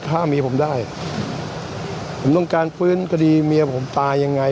ถ้าเมียผมได้ผมต้องการฟื้นคดีเมียผมตายยังไง